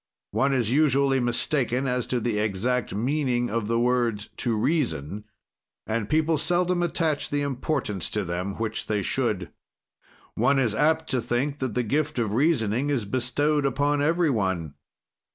"One is usually mistaken as to the exact meaning of the words 'to reason,' and people seldom attach the importance to them which they should. "One is apt to think that the gift of reasoning is bestowed upon every one.